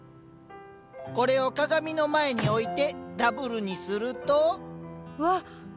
これを鏡の前に置いてダブルにすると。